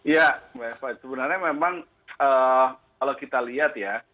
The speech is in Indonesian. ya mbak eva sebenarnya memang kalau kita lihat ya